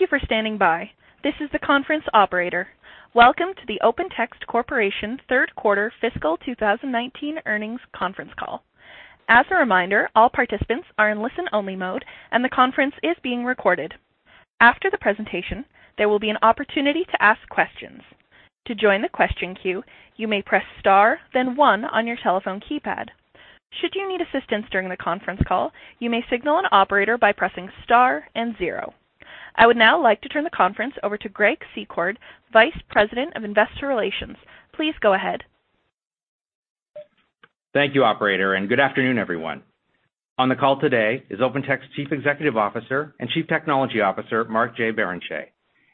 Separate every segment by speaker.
Speaker 1: Thank you for standing by. This is the conference operator. Welcome to the Open Text Corporation third quarter fiscal 2019 earnings conference call. As a reminder, all participants are in listen-only mode, and the conference is being recorded. After the presentation, there will be an opportunity to ask questions. To join the question queue, you may press star then one on your telephone keypad. Should you need assistance during the conference call, you may signal an operator by pressing star and zero. I would now like to turn the conference over to Greg Secord, Vice President of Investor Relations. Please go ahead.
Speaker 2: Thank you, operator. Good afternoon, everyone. On the call today is Open Text Chief Executive Officer and Chief Technology Officer, Mark J. Barrenechea,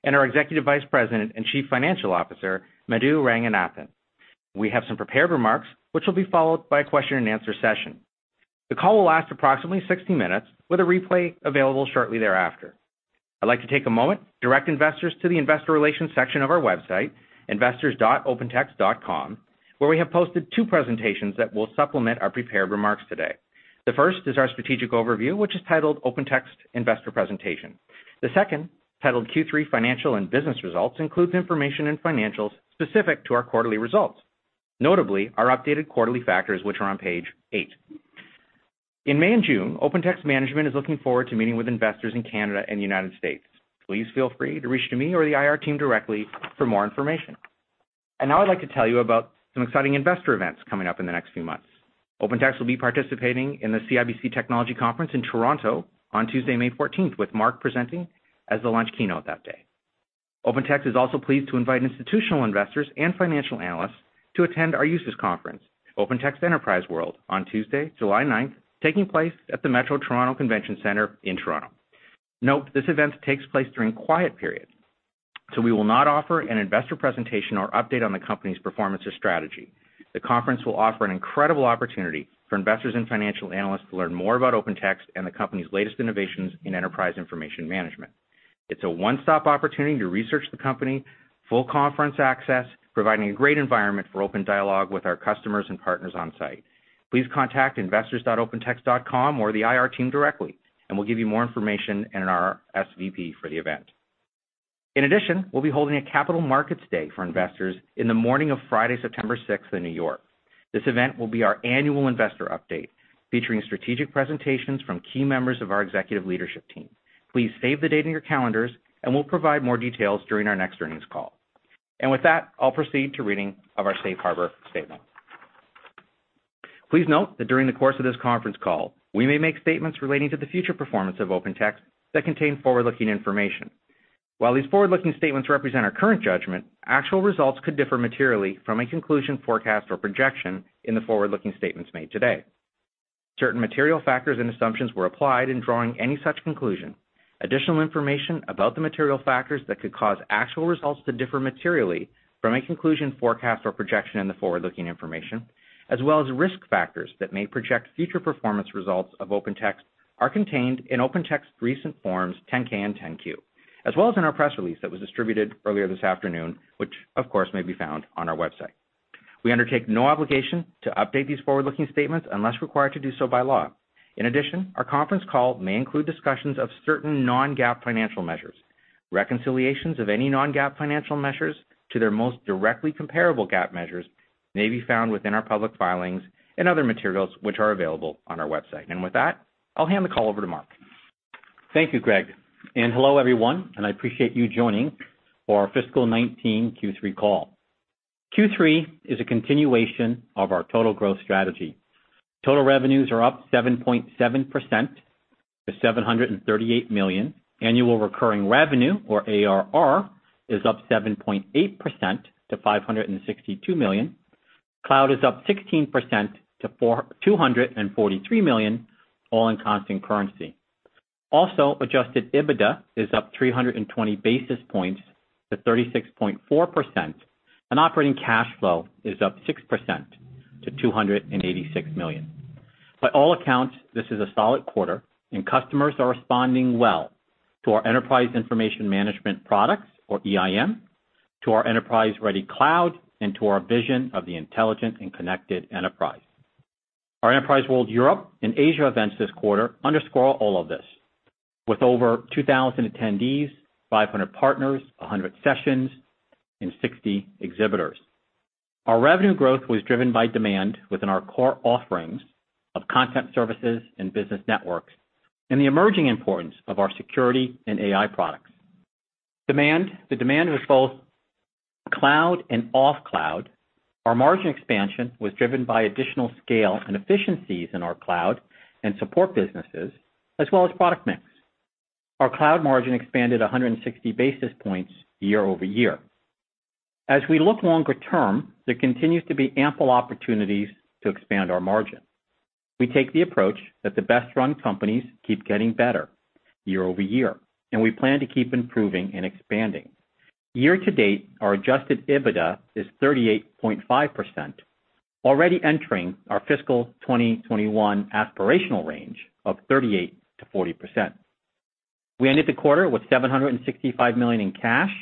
Speaker 2: and our Executive Vice President and Chief Financial Officer, Madhu Ranganathan. We have some prepared remarks, which will be followed by a question and answer session. The call will last approximately 60 minutes, with a replay available shortly thereafter. I'd like to take a moment, direct investors to the investor relations section of our website, investors.opentext.com, where we have posted two presentations that will supplement our prepared remarks today. The first is our strategic overview, which is titled Open Text Investor Presentation. The second, titled Q3 Financial and Business Results, includes information and financials specific to our quarterly results. Notably, our updated quarterly factors, which are on page eight. In May and June, Open Text management is looking forward to meeting with investors in Canada and the U.S. Please feel free to reach to me or the IR team directly for more information. Now I'd like to tell you about some exciting investor events coming up in the next few months. Open Text will be participating in the CIBC Technology Conference in Toronto on Tuesday, May 14th, with Mark presenting as the launch keynote that day. Open Text is also pleased to invite institutional investors and financial analysts to attend our users conference, Open Text Enterprise World, on Tuesday, July 9th, taking place at the Metro Toronto Convention Center in Toronto. Note this event takes place during quiet period, so we will not offer an investor presentation or update on the company's performance or strategy. The conference will offer an incredible opportunity for investors and financial analysts to learn more about Open Text and the company's latest innovations in enterprise information management. It's a one-stop opportunity to research the company, full conference access, providing a great environment for open dialogue with our customers and partners on site. Please contact investors.opentext.com or the IR team directly, and we'll give you more information in our SVP for the event. In addition, we'll be holding a capital markets day for investors in the morning of Friday, September 6th in New York. This event will be our annual investor update, featuring strategic presentations from key members of our executive leadership team. Please save the date in your calendars. We'll provide more details during our next earnings call. With that, I'll proceed to reading of our safe harbor statement. Please note that during the course of this conference call, we may make statements relating to the future performance of OpenText that contain forward-looking information. While these forward-looking statements represent our current judgment, actual results could differ materially from a conclusion, forecast, or projection in the forward-looking statements made today. Certain material factors and assumptions were applied in drawing any such conclusion. Additional information about the material factors that could cause actual results to differ materially from a conclusion, forecast, or projection in the forward-looking information, as well as risk factors that may project future performance results of OpenText are contained in OpenText recent forms 10-K and 10-Q, as well as in our press release that was distributed earlier this afternoon, which of course, may be found on our website. We undertake no obligation to update these forward-looking statements unless required to do so by law. In addition, our conference call may include discussions of certain non-GAAP financial measures. Reconciliations of any non-GAAP financial measures to their most directly comparable GAAP measures may be found within our public filings and other materials, which are available on our website. With that, I'll hand the call over to Mark.
Speaker 3: Thank you, Greg. Hello, everyone, and I appreciate you joining our fiscal 2019 Q3 call. Q3 is a continuation of our total growth strategy. Total revenues are up 7.7% to $738 million. Annual recurring revenue, or ARR, is up 7.8% to $562 million. Cloud is up 16% to $243 million, all in constant currency. Adjusted EBITDA is up 320 basis points to 36.4%, and operating cash flow is up 6% to $286 million. By all accounts, this is a solid quarter, and customers are responding well to our enterprise information management products, or EIM, to our enterprise-ready cloud, and to our vision of the intelligent and connected enterprise. Our Enterprise World Europe and Asia events this quarter underscore all of this. With over 2,000 attendees, 500 partners, 100 sessions, and 60 exhibitors. Our revenue growth was driven by demand within our core offerings of content services and business networks and the emerging importance of our security and AI products. The demand was both cloud and off cloud. Our margin expansion was driven by additional scale and efficiencies in our cloud and support businesses, as well as product mix. Our cloud margin expanded 160 basis points year-over-year. As we look longer term, there continues to be ample opportunities to expand our margin. We take the approach that the best run companies keep getting better year-over-year. We plan to keep improving and expanding. Year-to-date, our adjusted EBITDA is 38.5%, already entering our fiscal 2021 aspirational range of 38%-40%. We ended the quarter with $765 million in cash.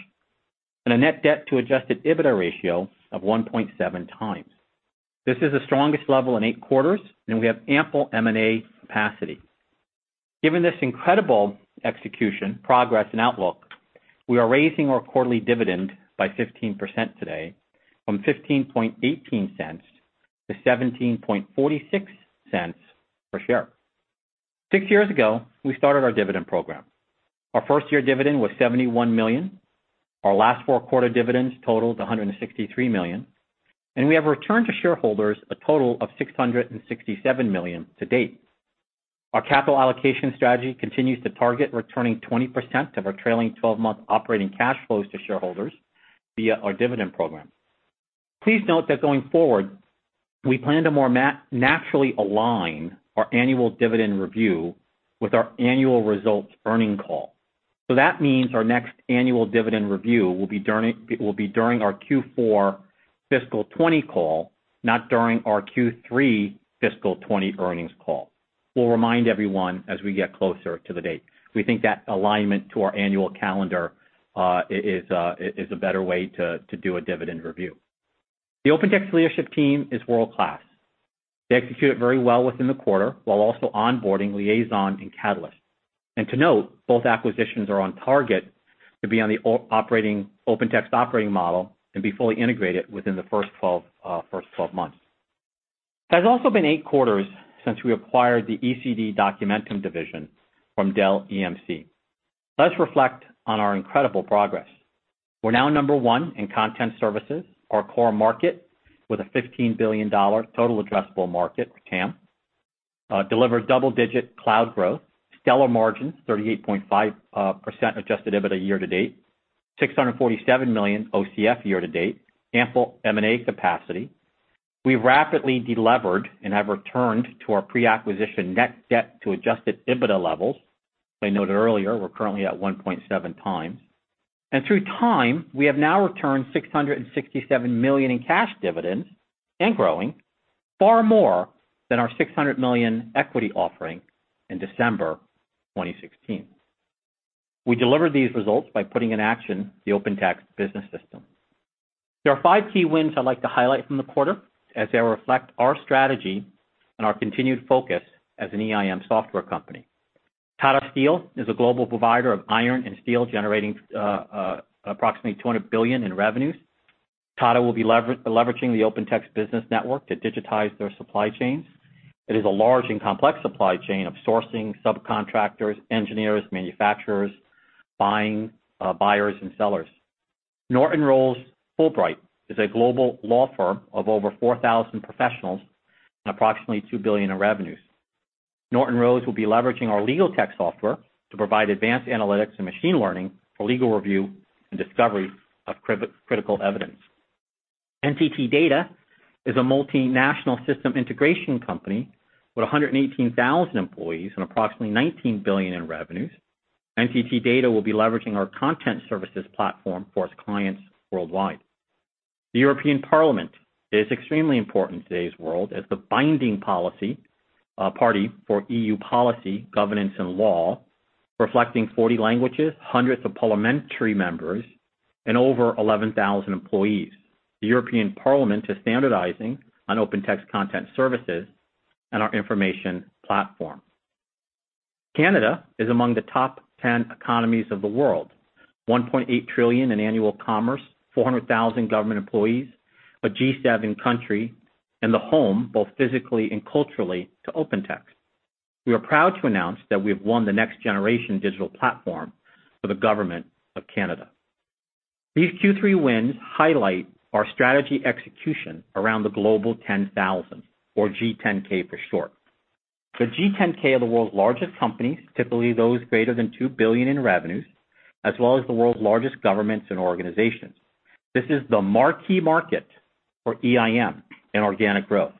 Speaker 3: A net debt to adjusted EBITDA ratio of 1.7 times. This is the strongest level in eight quarters, and we have ample M&A capacity. Given this incredible execution, progress, and outlook, we are raising our quarterly dividend by 15% today from $0.1518 to $0.1746 per share. Six years ago, we started our dividend program. Our first-year dividend was $71 million. Our last four-quarter dividends totals $163 million, and we have returned to shareholders a total of $667 million to date. Our capital allocation strategy continues to target returning 20% of our trailing 12-month operating cash flows to shareholders via our dividend program. Please note that going forward, we plan to more naturally align our annual dividend review with our annual results earnings call. That means our next annual dividend review will be during our Q4 fiscal 2020 call, not during our Q3 fiscal 2020 earnings call. We'll remind everyone as we get closer to the date. We think that alignment to our annual calendar is a better way to do a dividend review. The OpenText leadership team is world-class. They executed very well within the quarter, while also onboarding Liaison and Catalyst. To note, both acquisitions are on target to be on the OpenText operating model and be fully integrated within the first 12 months. It has also been eight quarters since we acquired the ECD Documentum division from Dell EMC. Let's reflect on our incredible progress. We're now number 1 in content services, our core market, with a $15 billion total addressable market, TAM. Delivers double-digit cloud growth, stellar margins, 38.5% adjusted EBITDA year to date, $647 million OCF year to date, ample M&A capacity. We've rapidly delevered and have returned to our pre-acquisition net debt to adjusted EBITDA levels. I noted earlier, we're currently at 1.7 times. Through time, we have now returned $667 million in cash dividends, and growing, far more than our $600 million equity offering in December 2016. We delivered these results by putting in action the OpenText business system. There are five key wins I'd like to highlight from the quarter, as they reflect our strategy and our continued focus as an EIM software company. Tata Steel is a global provider of iron and steel, generating approximately $200 billion in revenues. Tata will be leveraging the OpenText business network to digitize their supply chains. It is a large and complex supply chain of sourcing, subcontractors, engineers, manufacturers, buyers, and sellers. Norton Rose Fulbright is a global law firm of over 4,000 professionals and approximately $2 billion in revenues. Norton Rose will be leveraging our legal tech software to provide advanced analytics and machine learning for legal review and discovery of critical evidence. NTT Data is a multinational system integration company with 118,000 employees and approximately $19 billion in revenues. NTT Data will be leveraging our content services platform for its clients worldwide. The European Parliament is extremely important in today's world as the binding party for EU policy, governance, and law, reflecting 40 languages, hundreds of parliamentary members, and over 11,000 employees. The European Parliament is standardizing on OpenText content services and our information platform. Canada is among the top 10 economies of the world. $1.8 trillion in annual commerce, 400,000 government employees, a G7 country, and the home, both physically and culturally, to OpenText. We are proud to announce that we have won the next generation digital platform for the government of Canada. These Q3 wins highlight our strategy execution around the Global 10,000 or G10K for short. The G10K are the world's largest companies, typically those greater than $2 billion in revenues, as well as the world's largest governments and organizations. This is the marquee market for EIM and organic growth.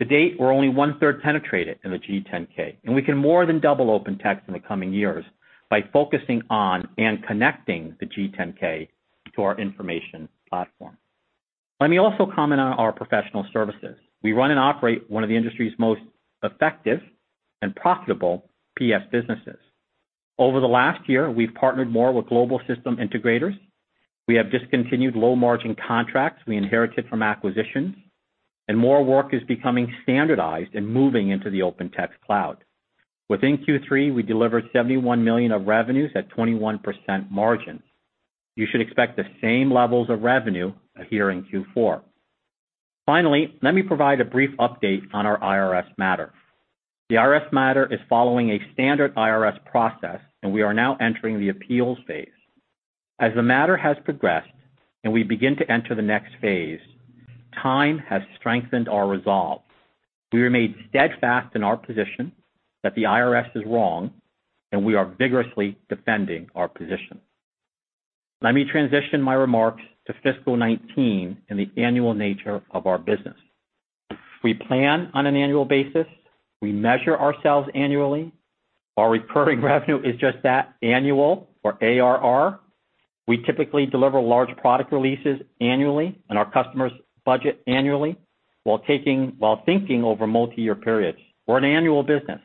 Speaker 3: To date, we're only one-third penetrated in the G10K, and we can more than double OpenText in the coming years by focusing on and connecting the G10K to our information platform. Let me also comment on our professional services. We run and operate one of the industry's most effective and profitable PS businesses. Over the last year, we've partnered more with global system integrators. We have discontinued low-margin contracts we inherited from acquisitions, and more work is becoming standardized and moving into the OpenText Cloud. Within Q3, we delivered $71 million of revenues at 21% margin. You should expect the same levels of revenue here in Q4. Finally, let me provide a brief update on our IRS matter. The IRS matter is following a standard IRS process, and we are now entering the appeals phase. As the matter has progressed and we begin to enter the next phase, time has strengthened our resolve. We remain steadfast in our position that the IRS is wrong, and we are vigorously defending our position. Let me transition my remarks to fiscal 2019 and the annual nature of our business. We plan on an annual basis. We measure ourselves annually. Our recurring revenue is just that, annual or ARR. We typically deliver large product releases annually, and our customers budget annually while thinking over multi-year periods. We're an annual business.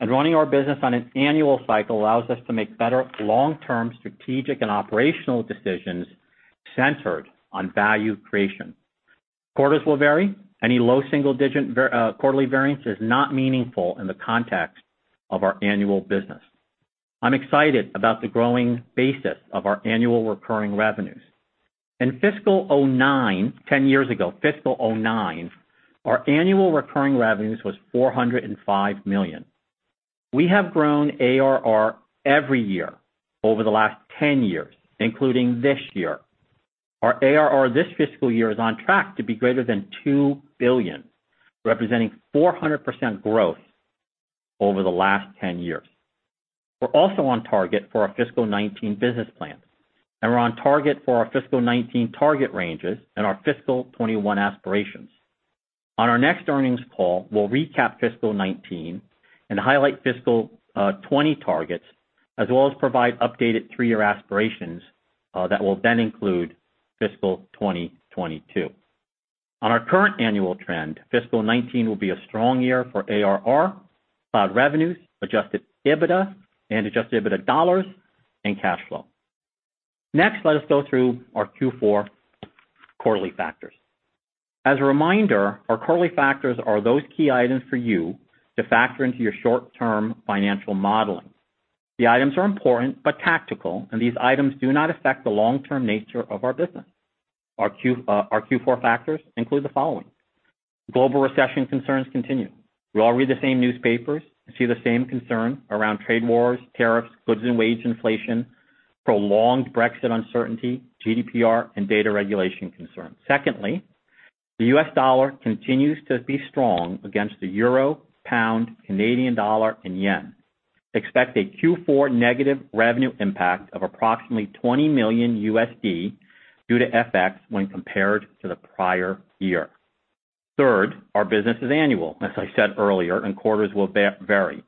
Speaker 3: Running our business on an annual cycle allows us to make better long-term strategic and operational decisions centered on value creation. Quarters will vary. Any low single-digit quarterly variance is not meaningful in the context of our annual business. I'm excited about the growing basis of our annual recurring revenues. In fiscal 2009, 10 years ago, fiscal 2009, our annual recurring revenues was $405 million. We have grown ARR every year over the last 10 years, including this year. Our ARR this fiscal year is on track to be greater than $2 billion, representing 400% growth over the last 10 years. We're also on target for our fiscal 2019 business plan, and we're on target for our fiscal 2019 target ranges and our fiscal 2021 aspirations. On our next earnings call, we'll recap fiscal 2019 and highlight fiscal 2020 targets, as well as provide updated three-year aspirations that will then include fiscal 2022. On our current annual trend, fiscal 2019 will be a strong year for ARR, cloud revenues, adjusted EBITDA and adjusted EBITDA dollars, and cash flow. Next, let us go through our Q4 quarterly factors. As a reminder, our quarterly factors are those key items for you to factor into your short-term financial modeling. The items are important but tactical, and these items do not affect the long-term nature of our business. Our Q4 factors include the following. Global recession concerns continue. We all read the same newspapers and see the same concern around trade wars, tariffs, goods and wage inflation, prolonged Brexit uncertainty, GDPR, and data regulation concerns. Secondly, the U.S. dollar continues to be strong against the euro, pound, Canadian dollar, and yen. Expect a Q4 negative revenue impact of approximately $20 million due to FX when compared to the prior year. Third, our business is annual, as I said earlier, and quarters will vary.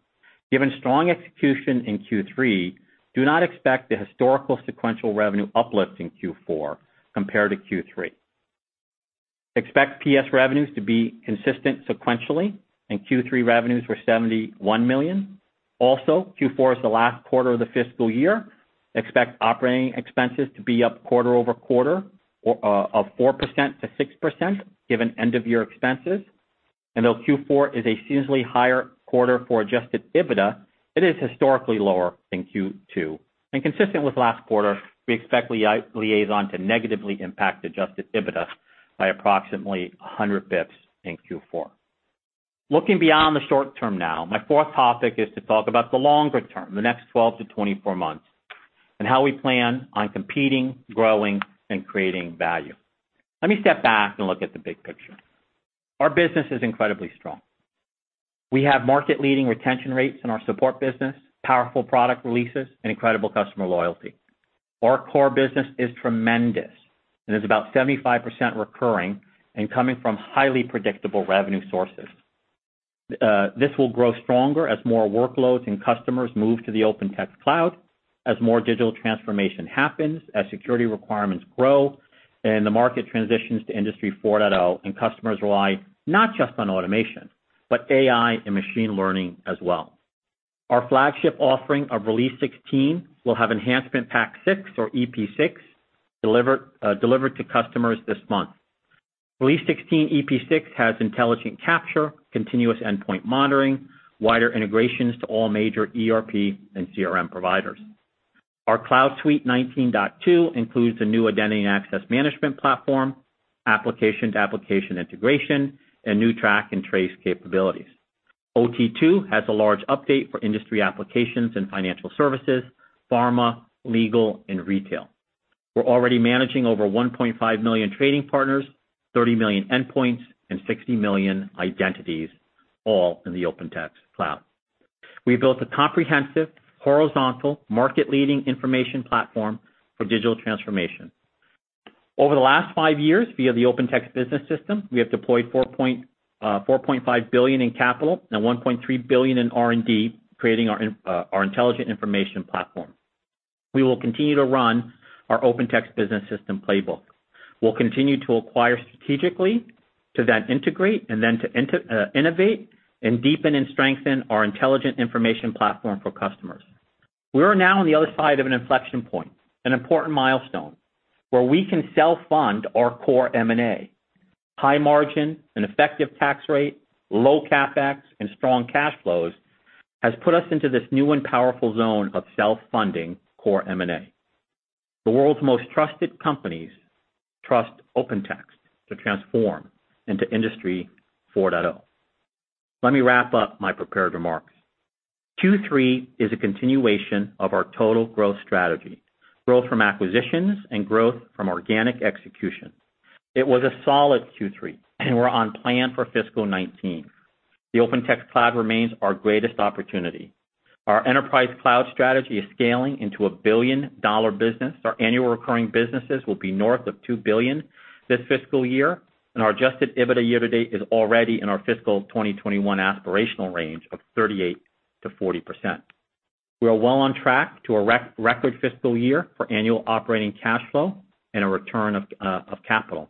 Speaker 3: Given strong execution in Q3, do not expect the historical sequential revenue uplift in Q4 compared to Q3. Expect PS revenues to be consistent sequentially, and Q3 revenues were $71 million. Q4 is the last quarter of the fiscal year. Expect operating expenses to be up quarter-over-quarter of 4%-6% given end-of-year expenses. Though Q4 is a seasonally higher quarter for adjusted EBITDA, it is historically lower than Q2. Consistent with last quarter, we expect Liaison to negatively impact adjusted EBITDA by approximately 100 basis points in Q4. Looking beyond the short term now, my fourth topic is to talk about the longer term, the next 12-24 months, and how we plan on competing, growing, and creating value. Let me step back and look at the big picture. Our business is incredibly strong. We have market-leading retention rates in our support business, powerful product releases, and incredible customer loyalty. Our core business is tremendous and is about 75% recurring and coming from highly predictable revenue sources. This will grow stronger as more workloads and customers move to the OpenText Cloud, as more digital transformation happens, as security requirements grow, and the market transitions to Industry 4.0 and customers rely not just on automation, but AI and machine learning as well. Our flagship offering of Release 16 will have Enhancement Pack 6, or EP6, delivered to customers this month. Release 16 EP6 has intelligent capture, continuous endpoint monitoring, wider integrations to all major ERP and CRM providers. Our Cloud Suite 19.2 includes the new identity and access management platform, application-to-application integration, and new track and trace capabilities. OT2 has a large update for industry applications and financial services, pharma, legal, and retail. We're already managing over 1.5 million trading partners, 30 million endpoints, and 60 million identities, all in the OpenText Cloud. We built a comprehensive, horizontal, market-leading information platform for digital transformation. Over the last five years, via the OpenText business system, we have deployed $4.5 billion in capital and $1.3 billion in R&D, creating our intelligent information platform. We will continue to run our OpenText business system playbook. We'll continue to acquire strategically, to then integrate, and then to innovate and deepen and strengthen our intelligent information platform for customers. We are now on the other side of an inflection point, an important milestone where we can self-fund our core M&A. High margin and effective tax rate, low CapEx, and strong cash flows has put us into this new and powerful zone of self-funding core M&A. The world's most trusted companies trust OpenText to transform into Industry 4.0. Let me wrap up my prepared remarks. Q3 is a continuation of our total growth strategy, growth from acquisitions and growth from organic execution. It was a solid Q3, we're on plan for fiscal 2019. The OpenText Cloud remains our greatest opportunity. Our enterprise cloud strategy is scaling into a billion-dollar business. Our annual recurring businesses will be north of $2 billion this fiscal year, and our adjusted EBITDA year to date is already in our fiscal 2021 aspirational range of 38%-40%. We are well on track to a record fiscal year for annual operating cash flow and a return of capital.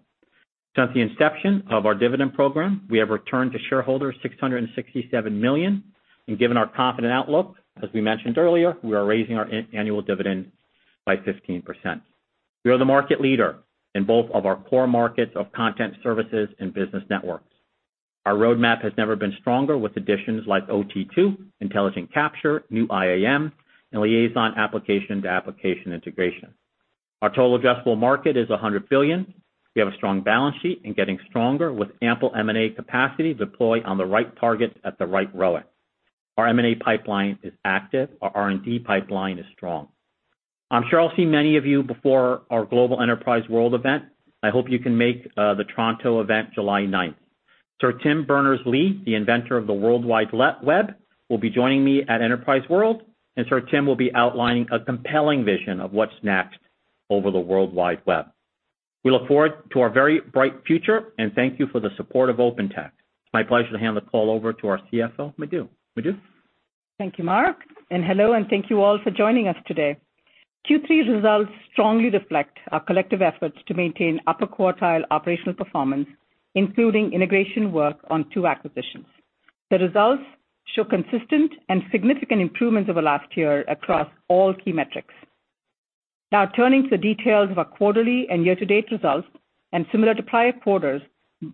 Speaker 3: Since the inception of our dividend program, we have returned to shareholders $667 million. Given our confident outlook, as we mentioned earlier, we are raising our annual dividend by 15%. We are the market leader in both of our core markets of content services and business networks. Our roadmap has never been stronger, with additions like OT2, OpenText Intelligent Capture, new IAM, and Liaison Application-to-Application Integration. Our total addressable market is $100 billion. We have a strong balance sheet and getting stronger with ample M&A capacity to deploy on the right target at the right ROIC. Our M&A pipeline is active. Our R&D pipeline is strong. I'm sure I'll see many of you before our global OpenText Enterprise World event. I hope you can make the Toronto event July 9th. Sir Tim Berners-Lee, the inventor of the World Wide Web, will be joining me at OpenText Enterprise World. Sir Tim will be outlining a compelling vision of what's next over the World Wide Web. We look forward to our very bright future. Thank you for the support of OpenText. It's my pleasure to hand the call over to our CFO, Madhu. Madhu?
Speaker 4: Thank you, Mark. Hello. Thank you all for joining us today. Q3 results strongly reflect our collective efforts to maintain upper quartile operational performance, including integration work on two acquisitions. The results show consistent and significant improvements over last year across all key metrics. Turning to the details of our quarterly and year-to-date results, similar to prior quarters,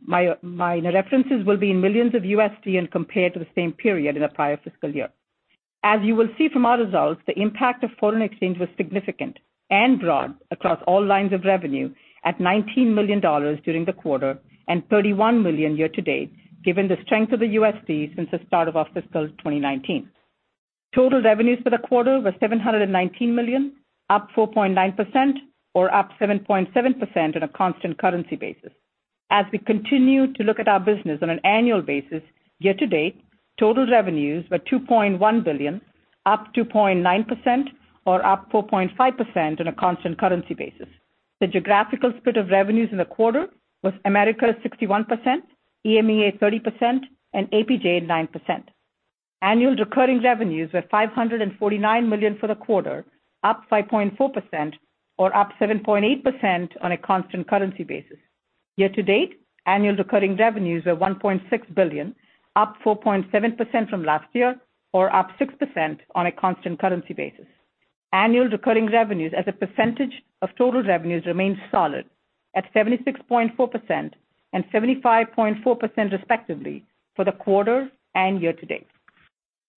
Speaker 4: my references will be in millions of USD and compared to the same period in the prior fiscal year. As you will see from our results, the impact of foreign exchange was significant and broad across all lines of revenue at $19 million during the quarter, and $31 million year to date, given the strength of the USD since the start of our fiscal 2019. Total revenues for the quarter were $719 million, up 4.9%, or up 7.7% on a constant currency basis. As we continue to look at our business on an annual basis, year to date, total revenues were $2.1 billion, up 2.9%, or up 4.5% on a constant currency basis. The geographical split of revenues in the quarter was Americas 61%, EMEA 30%, and APJ 9%. Annual recurring revenues were $549 million for the quarter, up 5.4%, or up 7.8% on a constant currency basis. Year to date, annual recurring revenues were $1.6 billion, up 4.7% from last year, or up 6% on a constant currency basis. Annual recurring revenues as a percentage of total revenues remain solid at 76.4% and 75.4% respectively for the quarter and year to date.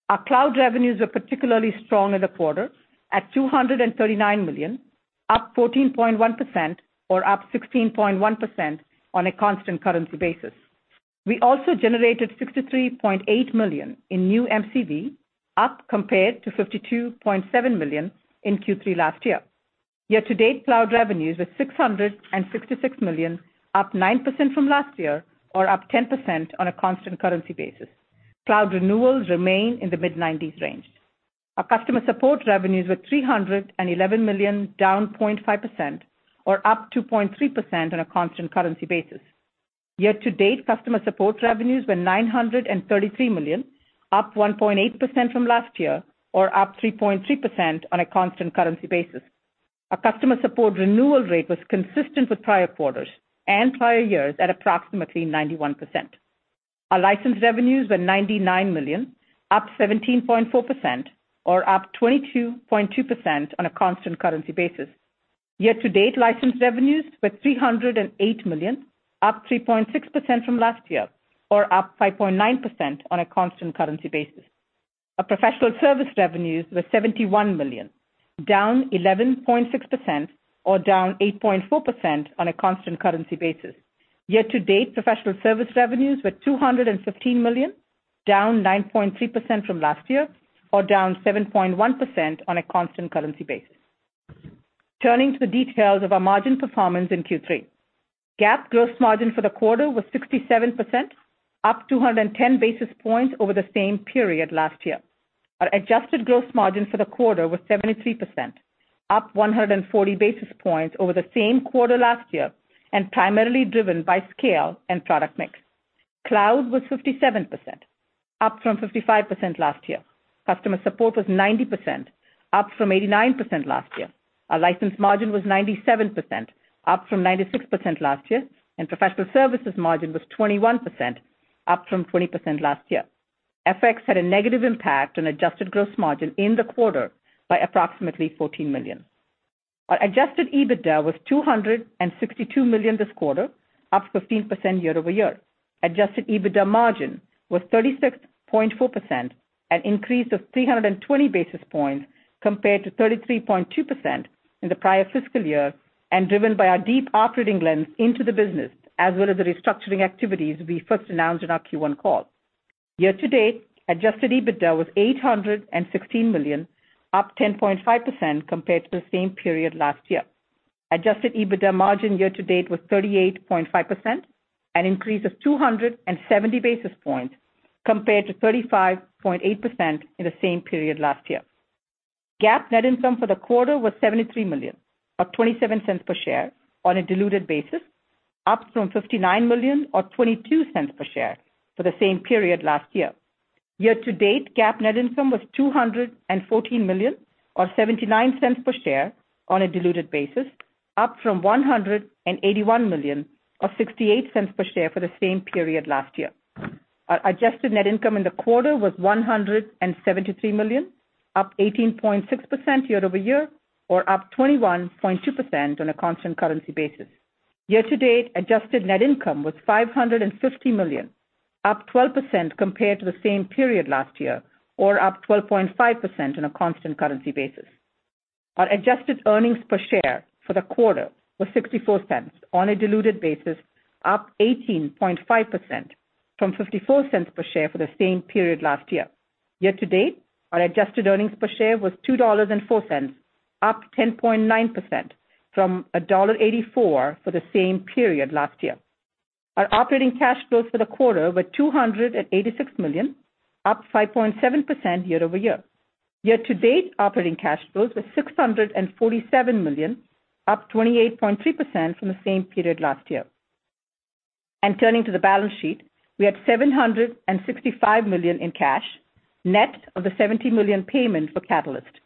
Speaker 4: Our cloud revenues were particularly strong in the quarter at $239 million, up 14.1%, or up 16.1% on a constant currency basis. We also generated $63.8 million in new MCV, up compared to $52.7 million in Q3 last year. Year to date cloud revenues were $666 million, up 9% from last year, or up 10% on a constant currency basis. Cloud renewals remain in the mid-90s range. Our customer support revenues were $311 million, down 0.5%, or up 2.3% on a constant currency basis. Year to date, customer support revenues were $933 million, up 1.8% from last year, or up 3.3% on a constant currency basis. Our customer support renewal rate was consistent with prior quarters and prior years at approximately 91%. Our license revenues were $99 million, up 17.4%, or up 22.2% on a constant currency basis. Year to date license revenues were $308 million, up 3.6% from last year, or up 5.9% on a constant currency basis. Our professional service revenues were $71 million, down 11.6%, or down 8.4% on a constant currency basis. Year to date, professional service revenues were $215 million, down 9.3% from last year, or down 7.1% on a constant currency basis. Turning to the details of our margin performance in Q3. GAAP gross margin for the quarter was 67%, up 210 basis points over the same period last year. Our adjusted gross margin for the quarter was 73%, up 140 basis points over the same quarter last year and primarily driven by scale and product mix. Cloud was 57%, up from 55% last year. Customer support was 90%, up from 89% last year. Our license margin was 97%, up from 96% last year. Professional services margin was 21%, up from 20% last year. FX had a negative impact on adjusted gross margin in the quarter by approximately $14 million. Our adjusted EBITDA was $262 million this quarter, up 15% year over year. Adjusted EBITDA margin was 36.4%, an increase of 320 basis points compared to 33.2% in the prior fiscal year, driven by our deep operating lens into the business, as well as the restructuring activities we first announced on our Q1 call. Year to date, adjusted EBITDA was $816 million, up 10.5% compared to the same period last year. Adjusted EBITDA margin year to date was 38.5%, an increase of 270 basis points compared to 35.8% in the same period last year. GAAP net income for the quarter was $73 million, or $0.27 per share on a diluted basis, up from $59 million or $0.22 per share for the same period last year. Year to date, GAAP net income was $214 million, or $0.79 per share on a diluted basis, up from $181 million of $0.68 per share for the same period last year. Our adjusted net income in the quarter was $173 million, up 18.6% year over year, or up 21.2% on a constant currency basis. Year to date, adjusted net income was $550 million, up 12% compared to the same period last year, or up 12.5% on a constant currency basis. Our adjusted earnings per share for the quarter was $0.64 on a diluted basis, up 18.5% from $0.54 per share for the same period last year. Year to date, our adjusted earnings per share was $2.04, up 10.9% from $1.84 for the same period last year. Our operating cash flows for the quarter were $286 million, up 5.7% year over year. Year to date, operating cash flows were $647 million, up 28.3% from the same period last year. Turning to the balance sheet, we had $765 million in cash, net of the $70 million payment for Catalyst.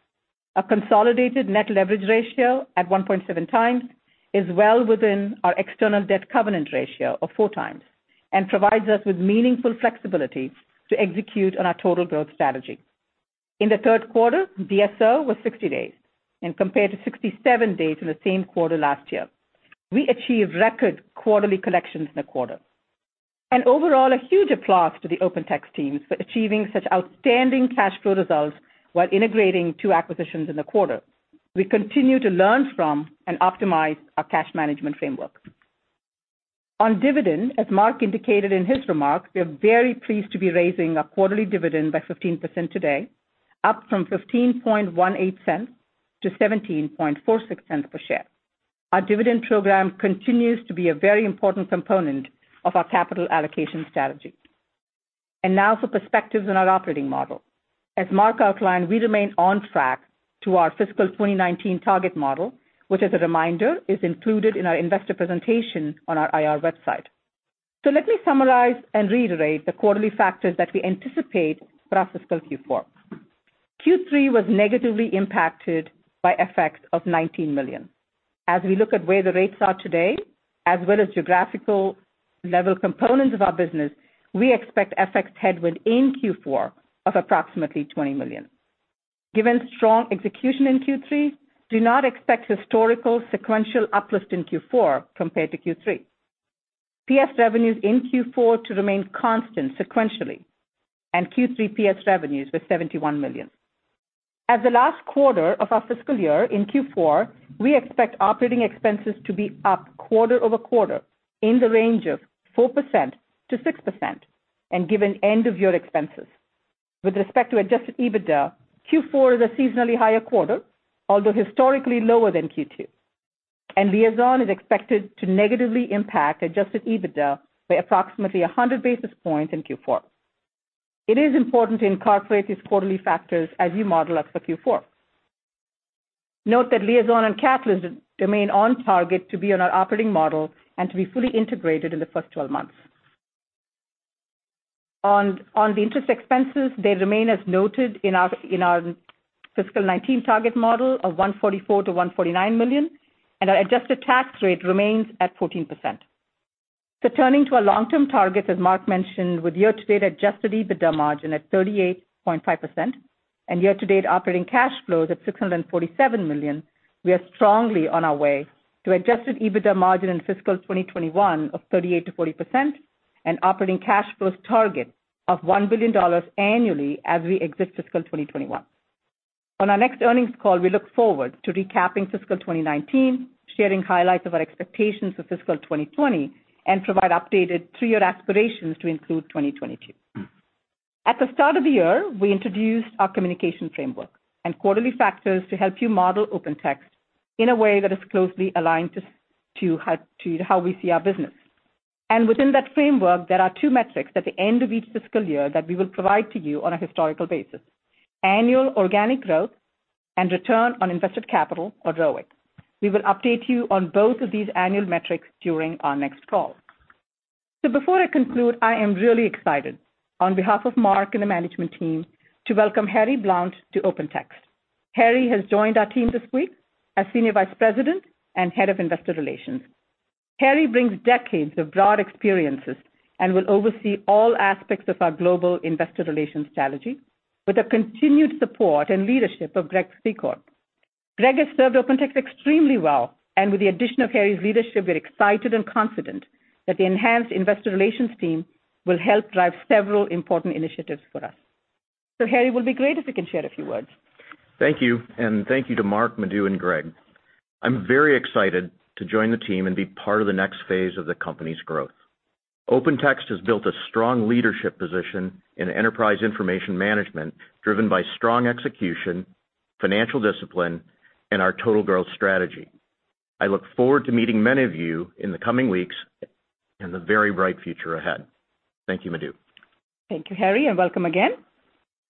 Speaker 4: Our consolidated net leverage ratio at 1.7 times is well within our external debt covenant ratio of four times and provides us with meaningful flexibility to execute on our total growth strategy. In the third quarter, DSO was 60 days and compared to 67 days in the same quarter last year. We achieved record quarterly collections in the quarter. Overall, a huge applause to the OpenText teams for achieving such outstanding cash flow results while integrating two acquisitions in the quarter. We continue to learn from and optimize our cash management framework. On dividend, as Mark indicated in his remarks, we are very pleased to be raising our quarterly dividend by 15% today, up from $0.1518 to $0.1746 per share. Our dividend program continues to be a very important component of our capital allocation strategy. Now for perspectives on our operating model. As Mark outlined, we remain on track to our fiscal 2019 target model, which as a reminder, is included in our investor presentation on our IR website. Let me summarize and reiterate the quarterly factors that we anticipate for our fiscal Q4. Q3 was negatively impacted by FX of $19 million. As we look at where the rates are today, as well as geographical level components of our business, we expect FX headwind in Q4 of approximately $20 million. Given strong execution in Q3, do not expect historical sequential uplift in Q4 compared to Q3. PS revenues in Q4 to remain constant sequentially, Q3 PS revenues were $71 million. As the last quarter of our fiscal year in Q4, we expect operating expenses to be up quarter-over-quarter in the range of 4%-6% given end of year expenses. With respect to adjusted EBITDA, Q4 is a seasonally higher quarter, although historically lower than Q2. Liaison is expected to negatively impact adjusted EBITDA by approximately 100 basis points in Q4. It is important to incorporate these quarterly factors as you model us for Q4. Note that Liaison and Catalyst remain on target to be on our operating model and to be fully integrated in the first 12 months. On the interest expenses, they remain as noted in our fiscal 2019 target model of $144 million-$149 million, and our adjusted tax rate remains at 14%. Turning to our long-term targets, as Mark mentioned, with year-to-date adjusted EBITDA margin at 38.5% and year-to-date operating cash flows at $647 million, we are strongly on our way to adjusted EBITDA margin in fiscal 2021 of 38%-40% and operating cash flows target of $1 billion annually as we exit fiscal 2021. On our next earnings call, we look forward to recapping fiscal 2019, sharing highlights of our expectations for fiscal 2020, and provide updated three-year aspirations to include 2022. At the start of the year, we introduced our communication framework and quarterly factors to help you model OpenText in a way that is closely aligned to how we see our business. Within that framework, there are two metrics at the end of each fiscal year that we will provide to you on a historical basis. Annual organic growth and return on invested capital or ROIC. We will update you on both of these annual metrics during our next call. Before I conclude, I am really excited on behalf of Mark and the management team to welcome Harry Blount to OpenText. Harry has joined our team this week as Senior Vice President and head of investor relations. Harry brings decades of broad experiences and will oversee all aspects of our global investor relations strategy with the continued support and leadership of Greg Secord. Greg has served OpenText extremely well, and with the addition of Harry's leadership, we are excited and confident that the enhanced investor relations team will help drive several important initiatives for us. Harry, it would be great if you can share a few words.
Speaker 5: Thank you. Thank you to Mark, Madhu, and Greg. I'm very excited to join the team and be part of the next phase of the company's growth. OpenText has built a strong leadership position in enterprise information management driven by strong execution, financial discipline, and our total growth strategy. I look forward to meeting many of you in the coming weeks and the very bright future ahead. Thank you, Madhu.
Speaker 4: Thank you, Harry, and welcome again.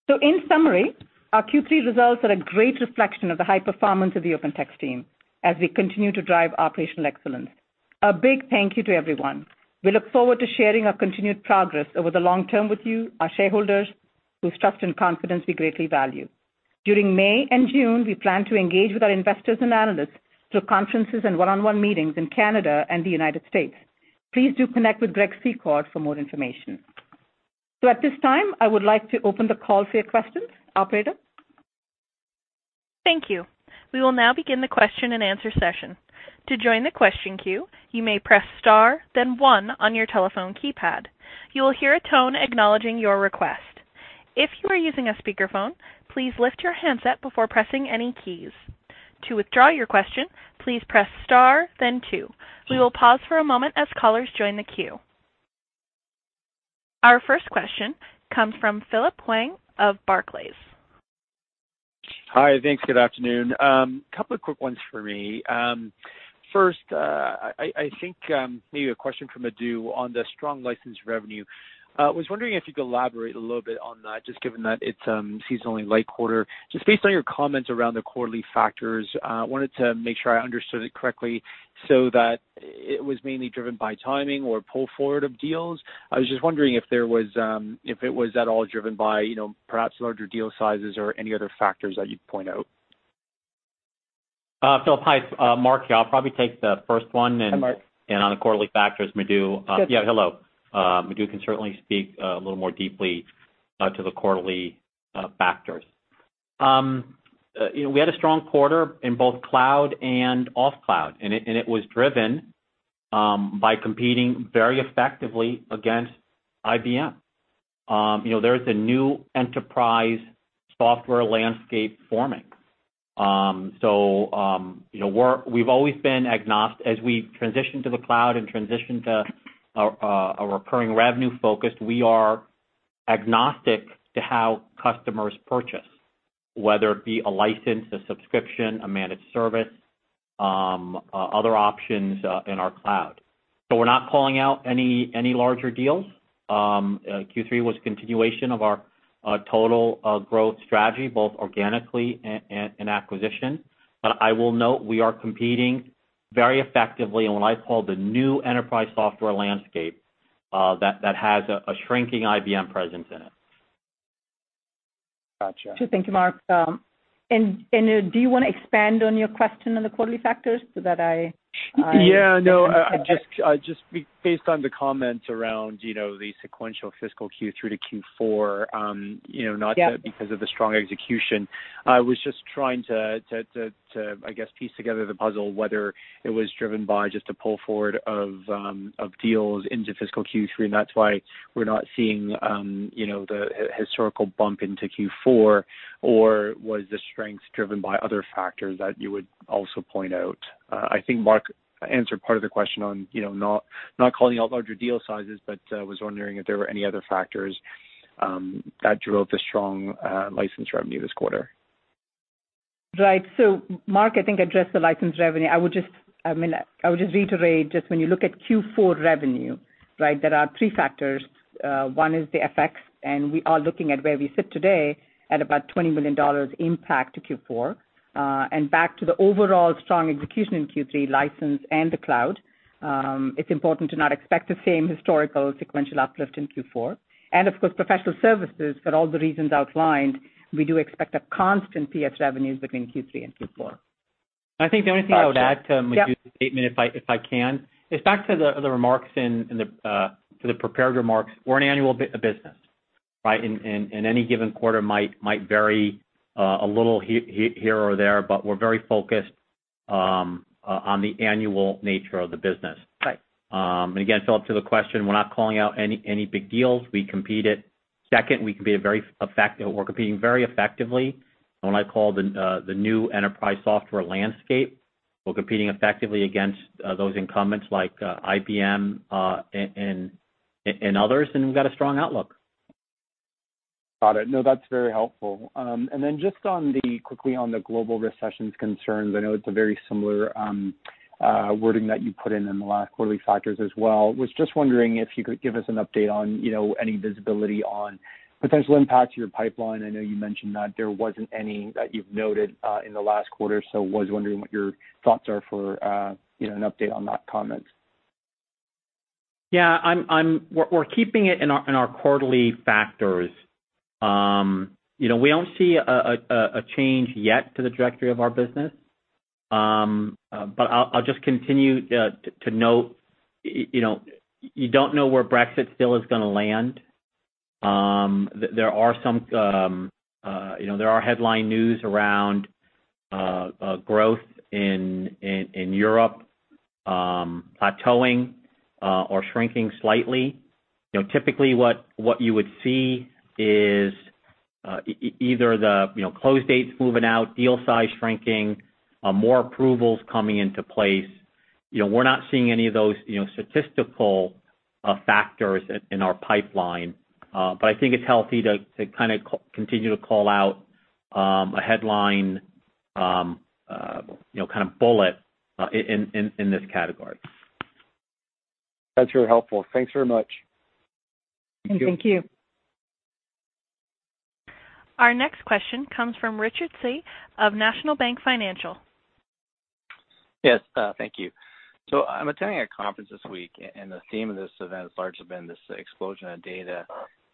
Speaker 4: In summary, our Q3 results are a great reflection of the high performance of the OpenText team as we continue to drive operational excellence. A big thank you to everyone. We look forward to sharing our continued progress over the long term with you, our shareholders, whose trust and confidence we greatly value. During May and June, we plan to engage with our investors and analysts through conferences and one-on-one meetings in Canada and the U.S. Please do connect with Greg Secord for more information. At this time, I would like to open the call for your questions, operator.
Speaker 1: Thank you. We will now begin the question and answer session. To join the question queue, you may press star then one on your telephone keypad. You will hear a tone acknowledging your request. If you are using a speakerphone, please lift your handset before pressing any keys. To withdraw your question, please press star then two. We will pause for a moment as callers join the queue. Our first question comes from Philip Wang of Barclays.
Speaker 6: Hi. Thanks. Good afternoon. Couple of quick ones for me. First, I think maybe a question for Madhu on the strong license revenue. I was wondering if you could elaborate a little bit on that, just given that it's a seasonally light quarter. Just based on your comments around the quarterly factors, wanted to make sure I understood it correctly, so that it was mainly driven by timing or pull forward of deals. I was just wondering if it was at all driven by perhaps larger deal sizes or any other factors that you'd point out.
Speaker 3: Philip, hi. Mark here. I'll probably take the first one.
Speaker 6: Hi, Mark.
Speaker 3: On the quarterly factors, Madhu.
Speaker 6: Sure.
Speaker 3: Hello. Madhu can certainly speak a little more deeply to the quarterly factors. We had a strong quarter in both cloud and off cloud, and it was driven by competing very effectively against IBM. There's a new enterprise software landscape forming. We've always been agnostic. As we transition to the cloud and transition to a recurring revenue focus, we are agnostic to how customers purchase, whether it be a license, a subscription, a managed service, other options in our cloud. We're not calling out any larger deals. Q3 was a continuation of our total growth strategy, both organically and acquisition. I will note, we are competing very effectively on what I call the new enterprise software landscape that has a shrinking IBM presence in it.
Speaker 6: Gotcha.
Speaker 4: Sure thing, Mark. Do you want to expand on your question on the quarterly factors, so that I
Speaker 6: No, just based on the comments around the sequential fiscal Q3 to Q4.
Speaker 4: Yep
Speaker 6: Not because of the strong execution, I was just trying to, I guess, piece together the puzzle, whether it was driven by just a pull forward of deals into fiscal Q3, and that's why we're not seeing the historical bump into Q4. Was the strength driven by other factors that you would also point out? I think Mark answered part of the question on not calling out larger deal sizes, but I was wondering if there were any other factors that drove the strong license revenue this quarter.
Speaker 4: Right. Mark, I think, addressed the license revenue. I would just reiterate, when you look at Q4 revenue, there are three factors. One is the FX, we are looking at where we sit today at about $20 million impact to Q4. Back to the overall strong execution in Q3 license and the cloud, it's important to not expect the same historical sequential uplift in Q4. Of course, professional services, for all the reasons outlined, we do expect a constant PS revenues between Q3 and Q4.
Speaker 3: I think the only thing I would add to Madhu's statement, if I can, is back to the prepared remarks. We're an annual business. Any given quarter might vary a little here or there, but we're very focused on the annual nature of the business.
Speaker 4: Right.
Speaker 3: Again, Philip, to the question, we're not calling out any big deals. We compete it second. We're competing very effectively on what I call the new enterprise software landscape. We're competing effectively against those incumbents like IBM and others, we've got a strong outlook.
Speaker 6: Got it. No, that's very helpful. Then just quickly on the global recession concerns, I know it's a very similar wording that you put in in the last quarterly factors as well. Was just wondering if you could give us an update on any visibility on potential impact to your pipeline. I know you mentioned that there wasn't any that you've noted in the last quarter, was wondering what your thoughts are for an update on that comment.
Speaker 3: Yeah. We're keeping it in our quarterly factors. We don't see a change yet to the trajectory of our business. I'll just continue to note, you don't know where Brexit still is going to land. There are headline news around growth in Europe plateauing or shrinking slightly. Typically what you would see is either the close dates moving out, deal size shrinking, more approvals coming into place. We're not seeing any of those statistical factors in our pipeline. I think it's healthy to kind of continue to call out a headline kind of bullet in this category.
Speaker 6: That's very helpful. Thanks very much.
Speaker 3: Thank you.
Speaker 4: Thank you.
Speaker 1: Our next question comes from Richard Tse of National Bank Financial.
Speaker 7: Yes. Thank you. I'm attending a conference this week, and the theme of this event has largely been this explosion of data.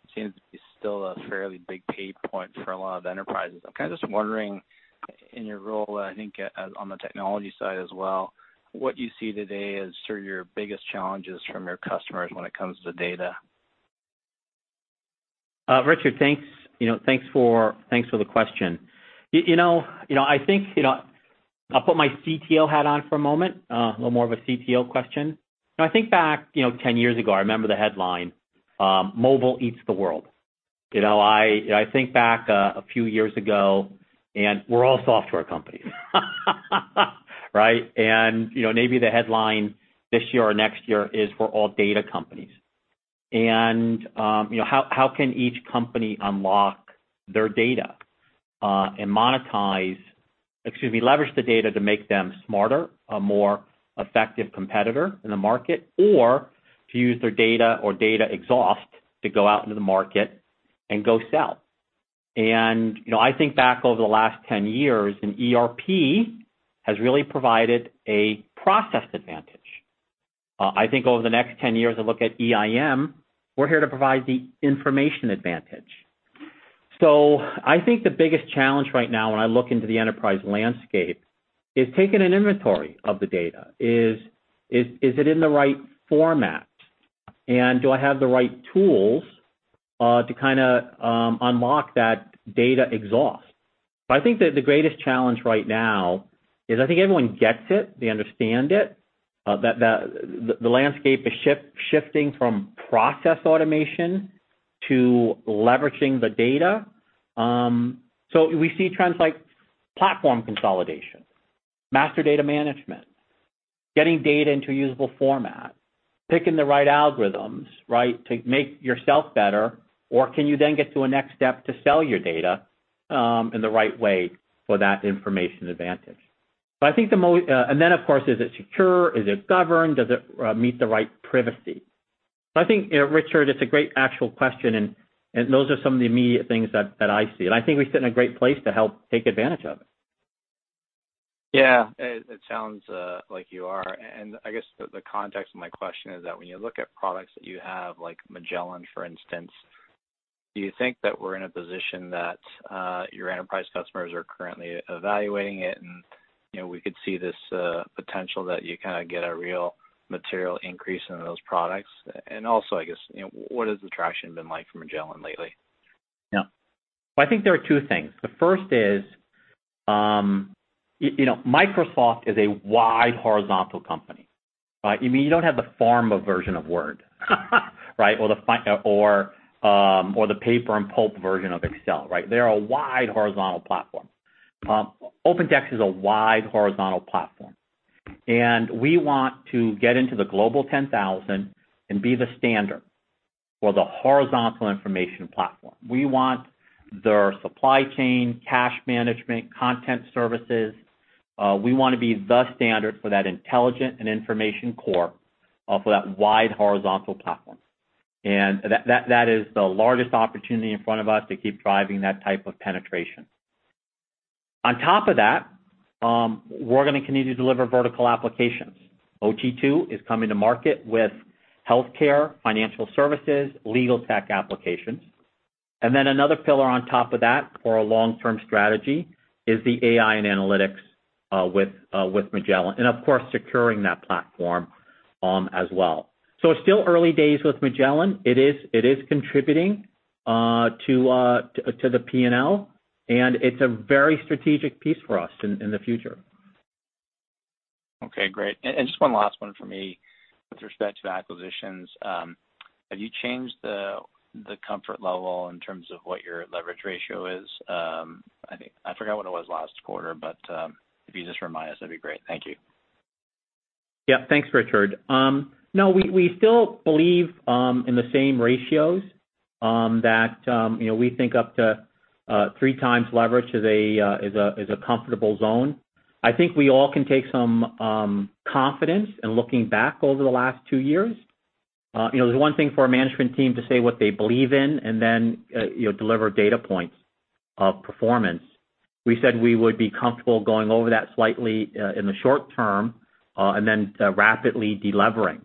Speaker 7: It seems to be still a fairly big pain point for a lot of enterprises. I'm kind of just wondering, in your role, I think on the technology side as well, what you see today as sort of your biggest challenges from your customers when it comes to data?
Speaker 3: Richard, thanks for the question. I'll put my CTO hat on for a moment, a little more of a CTO question. I think back 10 years ago, I remember the headline, "Mobile Eats the World." I think back a few years ago, and we're all software companies. Right? Maybe the headline this year or next year is, "We're All Data Companies." How can each company unlock their data and leverage the data to make them smarter, a more effective competitor in the market? To use their data or data exhaust to go out into the market and go sell. I think back over the last 10 years, and ERP has really provided a process advantage. I think over the next 10 years, I look at EIM, we're here to provide the information advantage. I think the biggest challenge right now when I look into the enterprise landscape is taking an inventory of the data. Is it in the right format? Do I have the right tools to kind of unlock that data exhaust? I think that the greatest challenge right now is I think everyone gets it, they understand it, that the landscape is shifting from process automation to leveraging the data. We see trends like platform consolidation, master data management, getting data into a usable format, picking the right algorithms to make yourself better, or can you then get to a next step to sell your data in the right way for that information advantage. Of course, is it secure? Is it governed? Does it meet the right privacy? I think, Richard, it's a great actual question, those are some of the immediate things that I see. I think we sit in a great place to help take advantage of it.
Speaker 7: Yeah. It sounds like you are. I guess the context of my question is that when you look at products that you have, like Magellan, for instance, do you think that we're in a position that your enterprise customers are currently evaluating it, we could see this potential that you kind of get a real material increase in those products? Also, I guess, what has the traction been like for Magellan lately?
Speaker 3: Yeah. I think there are two things. The first is Microsoft is a wide horizontal company. You don't have the pharma version of Word or the paper and pulp version of Excel, right? They're a wide horizontal platform. OpenText is a wide horizontal platform. We want to get into the Global 10,000 and be the standard for the horizontal information platform. We want their supply chain, cash management, content services. We want to be the standard for that intelligent and information core for that wide horizontal platform. That is the largest opportunity in front of us to keep driving that type of penetration. On top of that, we're going to continue to deliver vertical applications. OT2 is coming to market with healthcare, financial services, legal tech applications. Another pillar on top of that for our long-term strategy is the AI and analytics with Magellan. Of course, securing that platform as well. It's still early days with Magellan. It is contributing to the P&L, it's a very strategic piece for us in the future.
Speaker 7: Okay, great. Just one last one from me with respect to acquisitions. Have you changed the comfort level in terms of what your leverage ratio is? I forgot what it was last quarter, but if you could just remind us, that'd be great. Thank you.
Speaker 3: Yeah. Thanks, Richard. We still believe in the same ratios, that we think up to 3x leverage is a comfortable zone. I think we all can take some confidence in looking back over the last two years. It's one thing for a management team to say what they believe in and then deliver data points of performance. We said we would be comfortable going over that slightly in the short term and then rapidly de-levering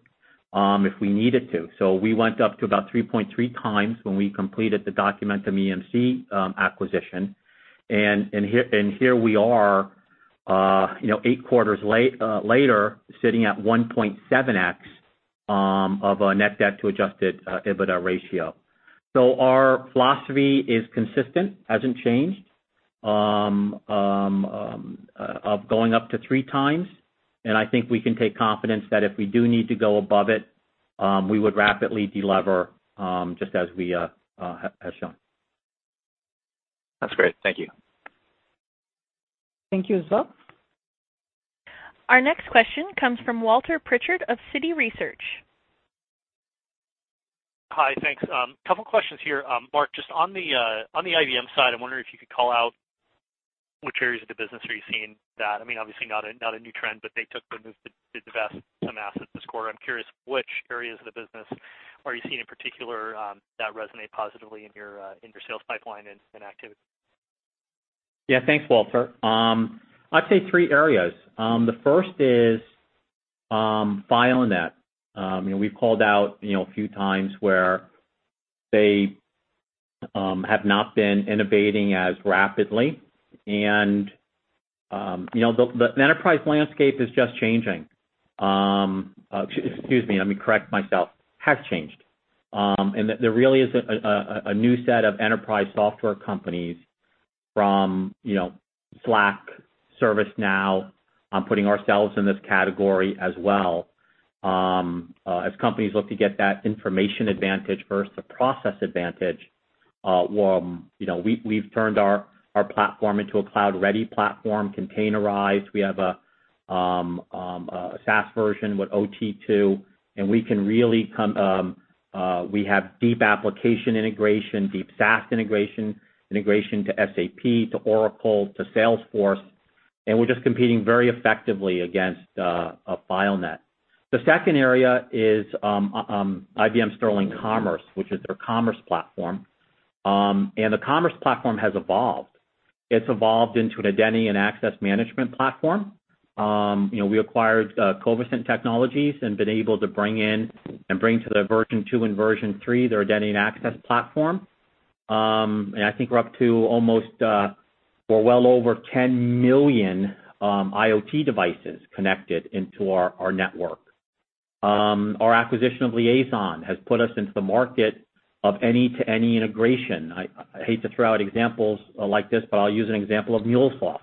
Speaker 3: if we needed to. We went up to about 3.3x when we completed the Documentum EMC acquisition. Here we are eight quarters later, sitting at 1.7x of a net debt to adjusted EBITDA ratio. Our philosophy is consistent, hasn't changed, of going up to 3x. I think we can take confidence that if we do need to go above it, we would rapidly de-lever, just as we have shown.
Speaker 7: That's great. Thank you.
Speaker 4: Thank you as well.
Speaker 1: Our next question comes from Walter Pritchard of Citi Research.
Speaker 8: Hi. Thanks. A couple of questions here. Mark, just on the IBM side, I'm wondering if you could call out which areas of the business are you seeing? Obviously, not a new trend, but they took the move to divest some assets this quarter. I'm curious which areas of the business are you seeing in particular that resonate positively in your sales pipeline and activity?
Speaker 3: Yeah. Thanks, Walter. I'd say three areas. The first is FileNet. We've called out a few times where they have not been innovating as rapidly. The enterprise landscape is just changing. Excuse me, let me correct myself. Has changed. There really is a new set of enterprise software companies from Slack, ServiceNow, putting ourselves in this category as well, as companies look to get that information advantage versus the process advantage. We've turned our platform into a cloud-ready platform, containerized. We have a SaaS version with OT2. We have deep application integration, deep SaaS integration to SAP, to Oracle, to Salesforce, and we're just competing very effectively against FileNet. The second area is IBM Sterling Commerce, which is their commerce platform. The commerce platform has evolved. It's evolved into an identity and access management platform. We acquired Covisint Technologies and been able to bring in and bring to their version 2 and version 3, their identity and access platform. I think we're up to almost, we're well over 10 million IoT devices connected into our network. Our acquisition of Liaison has put us into the market of any-to-any integration. I hate to throw out examples like this, but I'll use an example of MuleSoft.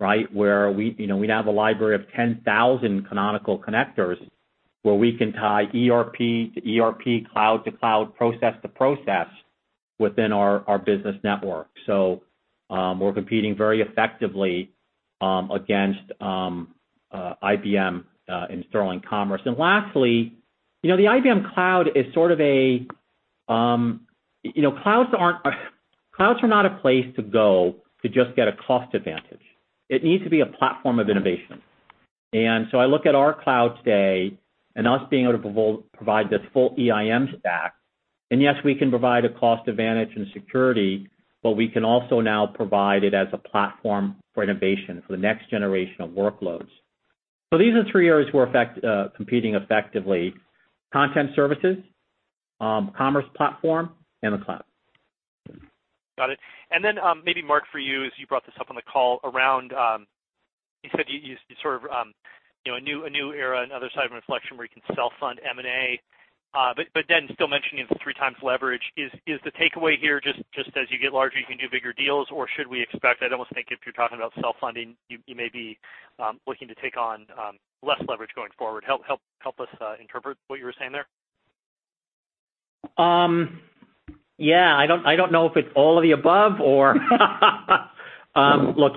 Speaker 3: We now have a library of 10,000 canonical connectors where we can tie ERP to ERP, cloud to cloud, process to process within our business network. We're competing very effectively against IBM Sterling Commerce. Lastly, Clouds are not a place to go to just get a cost advantage. It needs to be a platform of innovation. I look at our cloud today and us being able to provide this full EIM stack. Yes, we can provide a cost advantage and security, but we can also now provide it as a platform for innovation for the next generation of workloads. These are the three areas we're competing effectively: content services, commerce platform, and the cloud.
Speaker 8: Got it. Maybe Mark, for you, as you brought this up on the call. You said you sort of, a new era and other side of inflection where you can self-fund M&A. Still mentioning it's three times leverage. Is the takeaway here just as you get larger, you can do bigger deals, or should we expect? I'd almost think if you're talking about self-funding, you may be looking to take on less leverage going forward. Help us interpret what you were saying there.
Speaker 3: Yeah. I don't know if it's all of the above or. Look,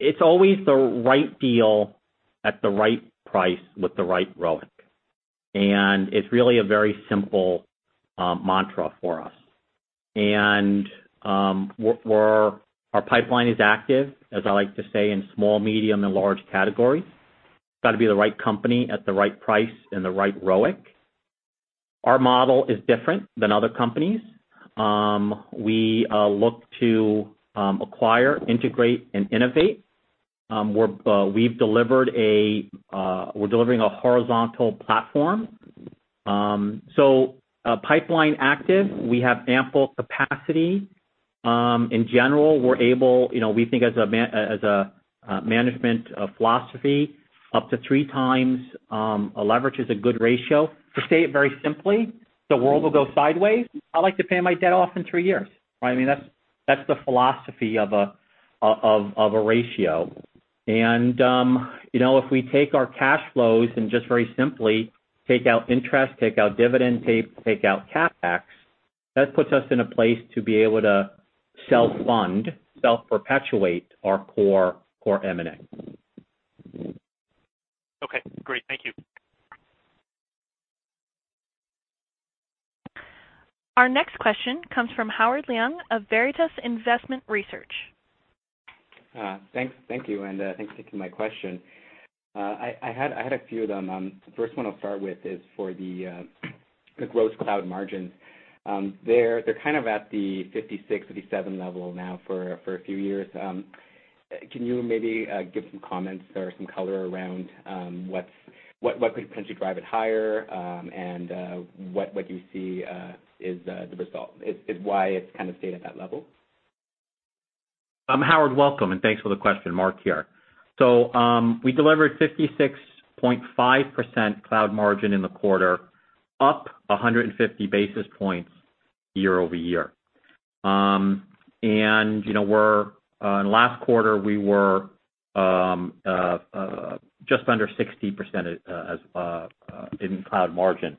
Speaker 3: it's always the right deal at the right price with the right ROIC, it's really a very simple mantra for us. Our pipeline is active, as I like to say, in small, medium, and large categories. It's got to be the right company at the right price and the right ROIC. Our model is different than other companies. We look to acquire, integrate, and innovate. We're delivering a horizontal platform. Pipeline active, we have ample capacity. In general, we think as a management philosophy, up to three times leverage is a good ratio. To state it very simply, the world will go sideways. I like to pay my debt off in three years. That's the philosophy of a ratio. If we take our cash flows and just very simply take out interest, take out dividend, take out CapEx, that puts us in a place to be able to self-fund, self-perpetuate our core M&A.
Speaker 8: Okay, great. Thank you.
Speaker 1: Our next question comes from Howard Leung of Veritas Investment Research.
Speaker 9: Thank you, and thanks for taking my question. I had a few of them. The first one I'll start with is for the gross cloud margins. They're kind of at the 56, 57 level now for a few years. Can you maybe give some comments or some color around what could potentially drive it higher? What you see is why it's kind of stayed at that level?
Speaker 3: Howard, welcome, and thanks for the question. Mark here. We delivered 56.5% cloud margin in the quarter, up 150 basis points year-over-year. Last quarter, we were just under 60% in cloud margin.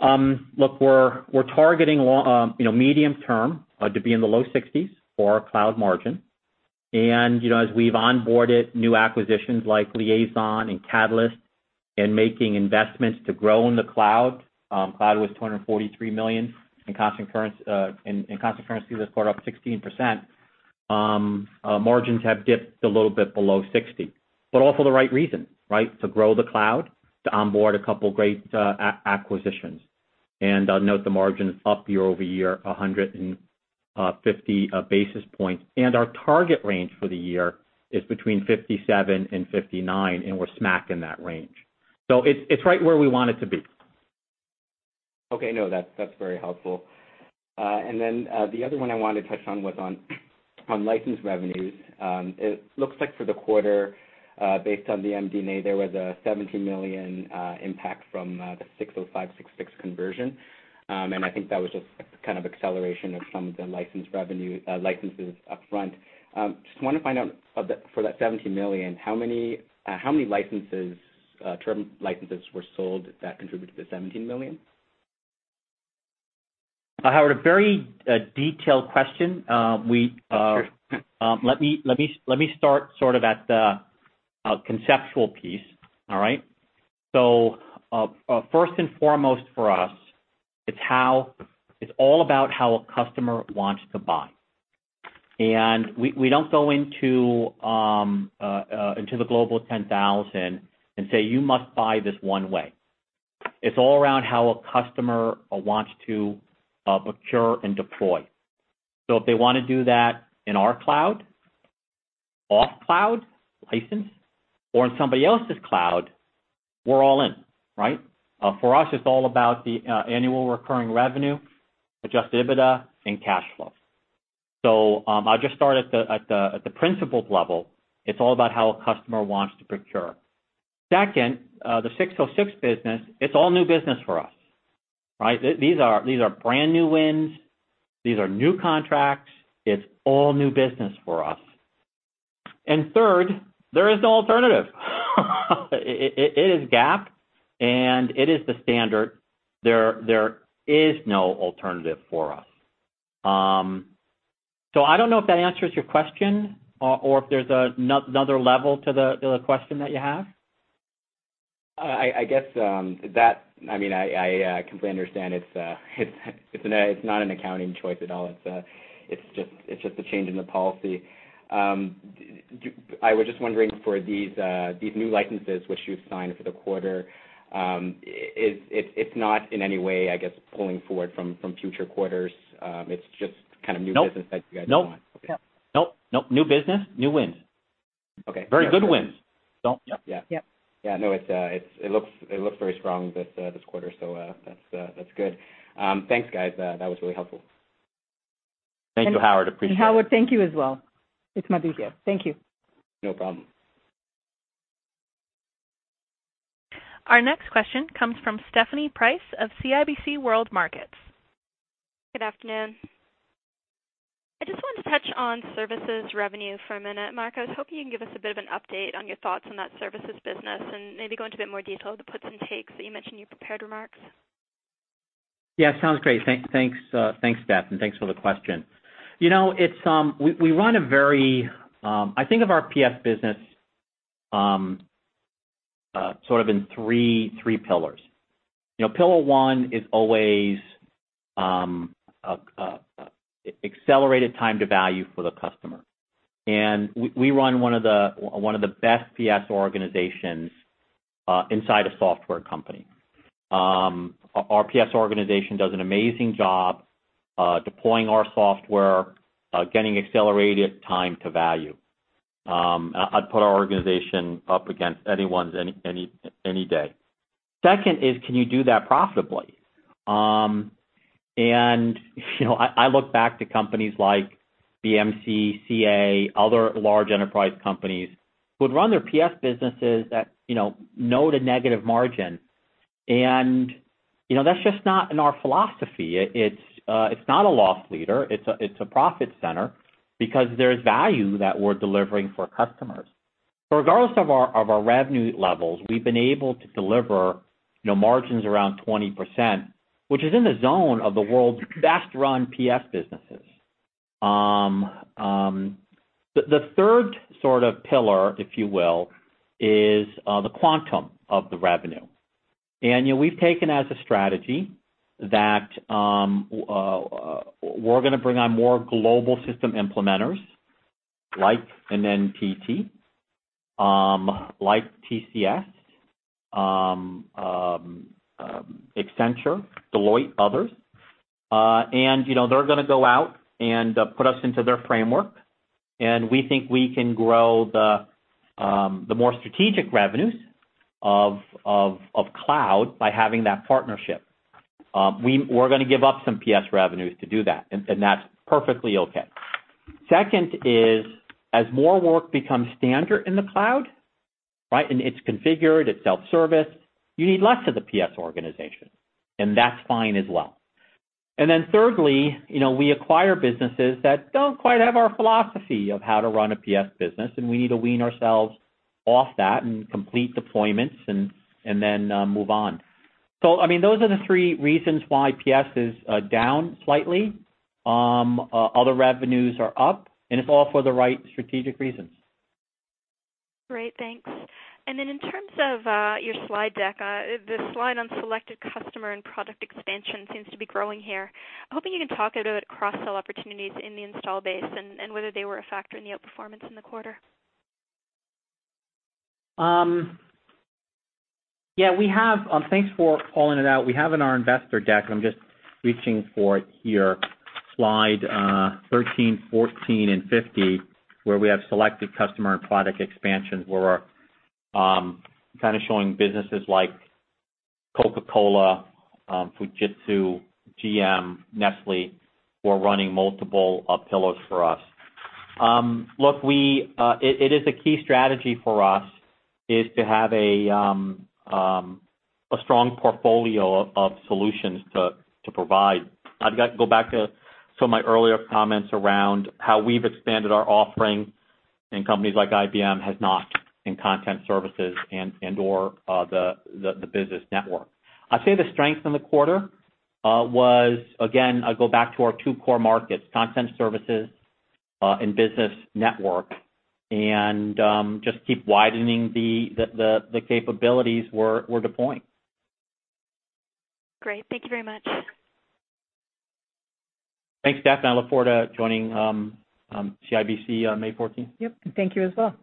Speaker 3: Look, we're targeting medium-term to be in the low sixties for our cloud margin. As we've onboarded new acquisitions like Liaison and Catalyst and making investments to grow in the cloud was $243 million, in constant currency, this quarter, up 16%. Margins have dipped a little bit below 60, all for the right reason. To grow the cloud, to onboard a couple great acquisitions. I'll note the margin is up year-over-year, 150 basis points. Our target range for the year is between 57% and 59%, and we're smack in that range. It's right where we want it to be.
Speaker 9: Okay. No, that's very helpful. The other one I wanted to touch on was on licensed revenues. It looks like for the quarter, based on the MD&A, there was a $17 million impact from the ASC 605, ASC 606 conversion. I think that was just kind of acceleration of some of the licenses upfront. Just wanted to find out for that $17 million, how many term licenses were sold that contributed to the $17 million?
Speaker 3: Howard, a very detailed question.
Speaker 9: Sure.
Speaker 3: Let me start sort of at the conceptual piece. All right? First and foremost for us, it's all about how a customer wants to buy. We don't go into the Global 10,000 and say, "You must buy this one way." It's all around how a customer wants to procure and deploy. If they want to do that in our cloud, off cloud license or in somebody else's cloud, we're all in. For us, it's all about the annual recurring revenue, adjusted EBITDA and cash flow. I'll just start at the principles level. It's all about how a customer wants to procure. Second, the ASC 606 business, it's all new business for us. These are brand new wins. These are new contracts. It's all new business for us. Third, there is no alternative. It is GAAP, it is the standard. There is no alternative for us. I don't know if that answers your question or if there's another level to the question that you have.
Speaker 9: I completely understand it's not an an accounting choice at all. It's just a change in the policy. I was just wondering for these new licenses which you've signed for the quarter, it's not in any way, I guess, pulling forward from future quarters. It's just kind of new business-
Speaker 3: Nope
Speaker 9: that you guys won.
Speaker 3: Nope.
Speaker 4: Yep.
Speaker 3: Nope. New business, new wins.
Speaker 9: Okay.
Speaker 3: Very good wins.
Speaker 9: Yeah.
Speaker 4: Yep.
Speaker 9: Yeah, no, it looks very strong this quarter. That's good. Thanks, guys. That was really helpful.
Speaker 3: Thank you, Howard. Appreciate it.
Speaker 4: Howard, thank you as well. It's Madhu here. Thank you.
Speaker 9: No problem.
Speaker 1: Our next question comes from Stephanie Price of CIBC World Markets.
Speaker 10: Good afternoon. I just wanted to touch on services revenue for a minute. Mark, I was hoping you can give us a bit of an update on your thoughts on that services business and maybe go into a bit more detail of the puts and takes that you mentioned in your prepared remarks.
Speaker 3: Yeah, sounds great. Thanks, Steph, and thanks for the question. I think of our PS business sort of in three pillars. Pillar one is always accelerated time to value for the customer. We run one of the best PS organizations inside a software company. Our PS organization does an amazing job deploying our software, getting accelerated time to value. I'd put our organization up against anyone's any day. Second is, can you do that profitably? I look back to companies like BMC, CA, other large enterprise companies who would run their PS businesses at low to negative margin. That's just not in our philosophy. It's not a loss leader. It's a profit center because there's value that we're delivering for customers. So regardless of our revenue levels, we've been able to deliver margins around 20%, which is in the zone of the world's best-run PS businesses. The third sort of pillar, if you will, is the quantum of the revenue. We've taken as a strategy that we're going to bring on more global system implementers like an NTT, like TCS, Accenture, Deloitte, others. They're going to go out and put us into their framework, and we think we can grow the more strategic revenues of cloud by having that partnership. We're going to give up some PS revenues to do that, and that's perfectly okay. Second is, as more work becomes standard in the cloud, and it's configured, it's self-service, you need less of the PS organization, and that's fine as well. Thirdly, we acquire businesses that don't quite have our philosophy of how to run a PS business, and we need to wean ourselves off that and complete deployments and then move on. Those are the three reasons why PS is down slightly. Other revenues are up, and it's all for the right strategic reasons.
Speaker 10: Great. Thanks. In terms of your slide deck, the slide on selected customer and product expansion seems to be growing here. Hoping you can talk about cross-sell opportunities in the install base and whether they were a factor in the outperformance in the quarter.
Speaker 3: Yeah. Thanks for calling it out. We have in our investor deck, I'm just reaching for it here, slide 13, 14, and 15, where we have selected customer and product expansions where we're kind of showing businesses like Coca-Cola, Fujitsu, GM, Nestlé, who are running multiple pillars for us. Look, it is a key strategy for us is to have a strong portfolio of solutions to provide. I've got to go back to some of my earlier comments around how we've expanded our offering, and companies like IBM has not, in content services and/or the business network. I'd say the strength in the quarter was, again, I go back to our two core markets, content services and business network, and just keep widening the capabilities we're deploying.
Speaker 10: Great. Thank you very much.
Speaker 3: Thanks, Stephanie. I look forward to joining CIBC on May 14th.
Speaker 4: Yep. Thank you as well.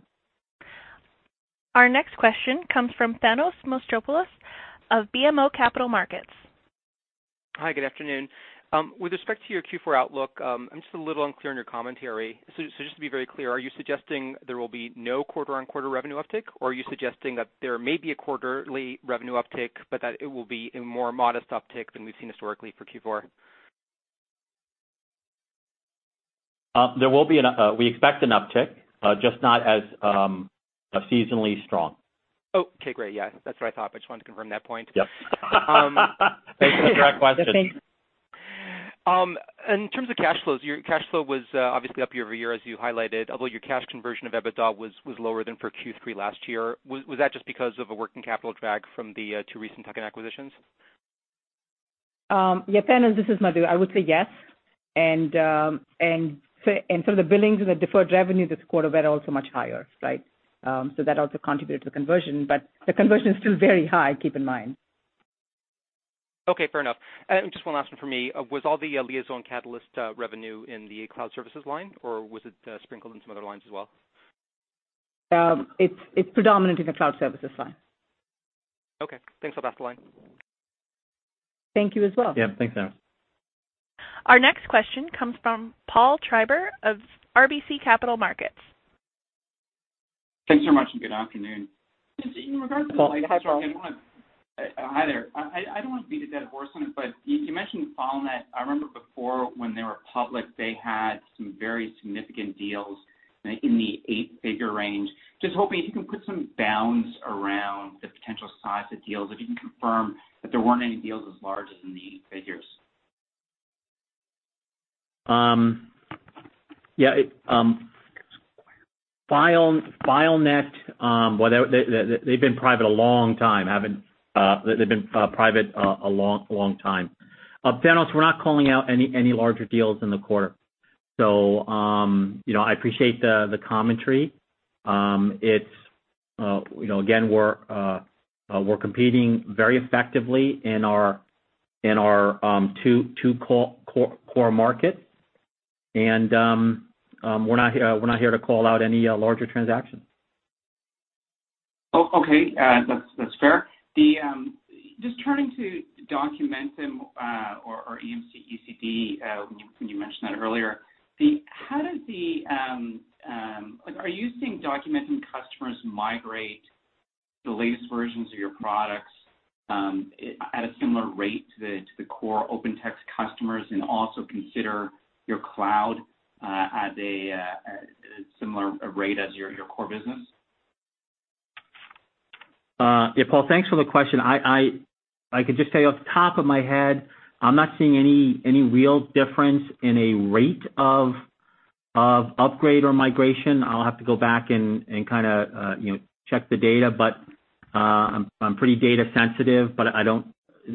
Speaker 1: Our next question comes from Thanos Moschopoulos of BMO Capital Markets.
Speaker 11: Hi, good afternoon. With respect to your Q4 outlook, I'm just a little unclear on your commentary. Just to be very clear, are you suggesting there will be no quarter-on-quarter revenue uptick, or are you suggesting that there may be a quarterly revenue uptick, but that it will be a more modest uptick than we've seen historically for Q4?
Speaker 3: We expect an uptick, just not as seasonally strong.
Speaker 11: Okay, great. Yeah, that's what I thought. Just wanted to confirm that point.
Speaker 3: Yep. Thanks for the direct question.
Speaker 11: In terms of cash flows, your cash flow was obviously up year-over-year, as you highlighted, although your cash conversion of EBITDA was lower than for Q3 last year. Was that just because of a working capital drag from the two recent tuck-in acquisitions?
Speaker 4: Yeah, Thanos, this is Madhu. I would say yes. The billings and the deferred revenue this quarter were also much higher, right? That also contributed to the conversion, but the conversion is still very high, keep in mind.
Speaker 11: Okay, fair enough. Just one last one for me. Was all the Liaison Catalyst revenue in the cloud services line, or was it sprinkled in some other lines as well?
Speaker 4: It's predominant in the cloud services line.
Speaker 11: Okay, thanks. I'll pass the line.
Speaker 4: Thank you as well.
Speaker 3: Yep, thanks, Thanos.
Speaker 1: Our next question comes from Paul Treiber of RBC Capital Markets.
Speaker 12: Thanks so much, good afternoon.
Speaker 3: Hi, Paul.
Speaker 12: Hi there. I don't want to beat a dead horse on it, you mentioned FileNet. I remember before when they were public, they had some very significant deals in the eight-figure range. Just hoping if you can put some bounds around the potential size of deals, or if you can confirm that there weren't any deals as large as in the eight figures.
Speaker 3: Yeah. FileNet, they've been private a long time. Thanos, we're not calling out any larger deals in the quarter. I appreciate the commentary. Again, we're competing very effectively in our two core markets, we're not here to call out any larger transactions.
Speaker 12: Oh, okay. That's fair. Just turning to Documentum, or EMC ECD, you mentioned that earlier. Are you seeing Documentum customers migrate the latest versions of your products at a similar rate to the core OpenText customers, and also consider your cloud at a similar rate as your core business?
Speaker 3: Yeah, Paul, thanks for the question. I could just tell you off the top of my head, I'm not seeing any real difference in a rate of upgrade or migration. I'll have to go back and kind of check the data. I'm pretty data sensitive, but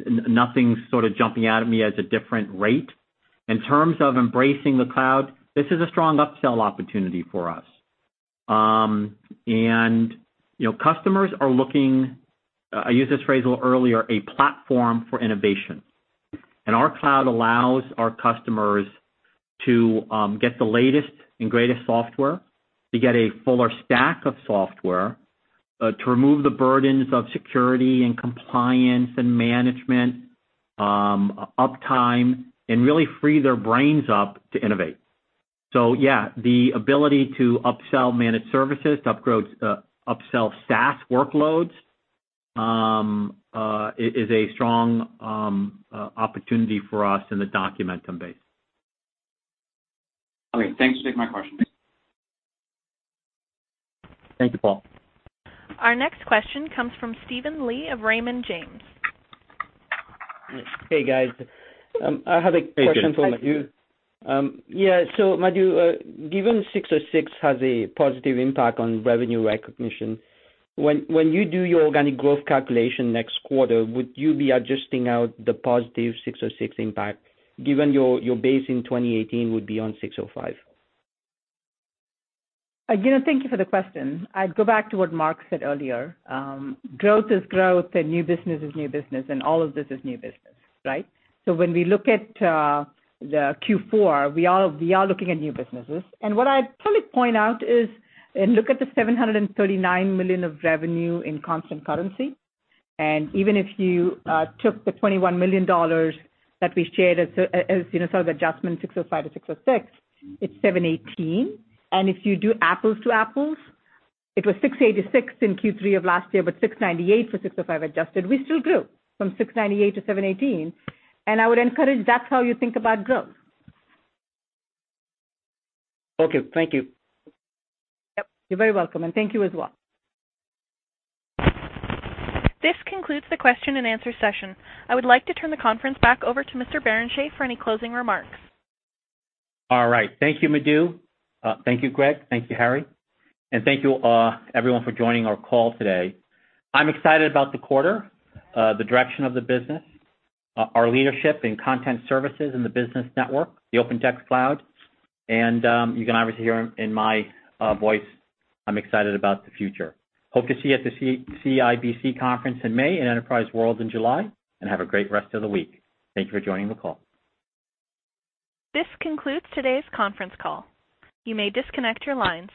Speaker 3: nothing's sort of jumping out at me as a different rate. In terms of embracing the cloud, this is a strong upsell opportunity for us. Customers are looking, I used this phrase a little earlier, a platform for innovation. Our cloud allows our customers to get the latest and greatest software, to get a fuller stack of software, to remove the burdens of security and compliance and management, uptime, and really free their brains up to innovate. Yeah, the ability to upsell managed services, to upsell SaaS workloads, is a strong opportunity for us in the Documentum base.
Speaker 12: Okay, thanks. Take my question.
Speaker 3: Thank you, Paul.
Speaker 1: Our next question comes from Steven Li of Raymond James.
Speaker 13: Hey, guys. I have a question for Madhu. Madhu, given 606 has a positive impact on revenue recognition, when you do your organic growth calculation next quarter, would you be adjusting out the positive 606 impact given your base in 2018 would be on 605?
Speaker 4: Again, thank you for the question. I'd go back to what Mark said earlier. Growth is growth, and new business is new business, all of this is new business, right? When we look at the Q4, we are looking at new businesses. What I'd probably point out is, look at the $739 million of revenue in constant currency. Even if you took the $21 million that we shared as the adjustment 605 to 606, it's $718 million. If you do apples to apples, it was $686 million in Q3 of last year, $698 million for 605 adjusted. We still grew from $698 million to $718 million, I would encourage that's how you think about growth.
Speaker 13: Okay, thank you.
Speaker 4: Yep, you're very welcome, and thank you as well.
Speaker 1: This concludes the question and answer session. I would like to turn the conference back over to Mr. Barrenechea for any closing remarks.
Speaker 3: All right. Thank you, Madhu. Thank you, Greg. Thank you, Harry. Thank you everyone for joining our call today. I'm excited about the quarter, the direction of the business, our leadership in content services and the business network, the OpenText Cloud, and you can obviously hear in my voice, I'm excited about the future. Hope to see you at the CIBC conference in May and Enterprise World in July, and have a great rest of the week. Thank you for joining the call.
Speaker 1: This concludes today's conference call. You may disconnect your lines.